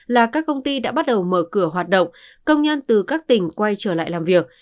là các công ty đã bắt đầu mở cửa hoạt động công nhân từ các tỉnh quay trở lại làm việc